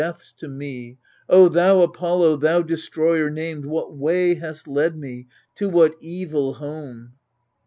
AGAMEMNON 49 O thou Apollo, thou Destroyer named 1 What way hast led me, to what evil home